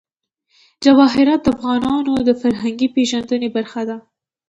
جواهرات د افغانانو د فرهنګي پیژندنې برخه ده.